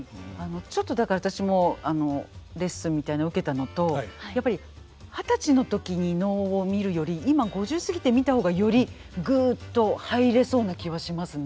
ちょっとだから私もレッスンみたいなの受けたのとやっぱり二十歳の時に能を見るより今５０過ぎて見た方がよりぐっと入れそうな気はしますね。